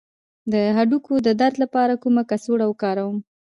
د هډوکو د درد لپاره کومه کڅوړه وکاروم؟